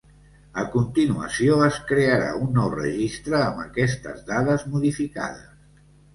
A continuació es crearà un nou registre amb aquestes dades modificades.